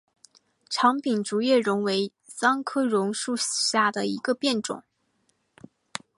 长柄竹叶榕为桑科榕属下的一个变种。